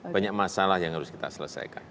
banyak masalah yang harus kita selesaikan